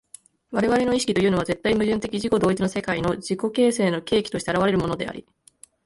我々の意識というのは絶対矛盾的自己同一の世界の自己形成の契機として現れるのであり、